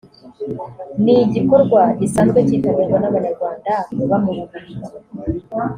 ni igikorwa gisanzwe kitabirwa n’Abanyarwanda baba mu Bubiligi